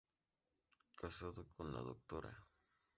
Casado con la Dra.